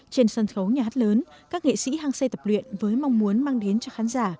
trên sân khấu nhà hát lớn các nghệ sĩ hăng xây tập luyện với mong muốn mang đến cho khán giả